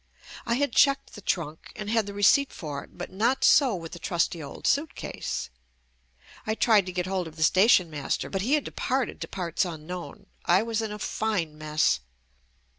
I had checked the trunk and had the re ceipt for it, but not so with the trusty old suit case. I tried to get hold of the station mas ter, but he had departed to parts unknown. I was in a fine mess.